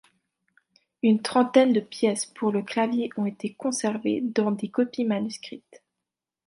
Une trentaine de pièces pour le clavier ont été conservées dans des copies manuscrites.